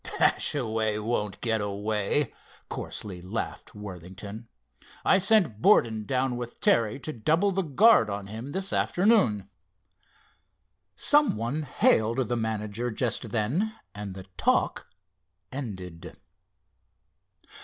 "Dashaway won't get away," coarsely laughed Worthington. "I sent Borden down with Terry to double the guard on him this afternoon." Some one hailed the manager just then and the talk ended.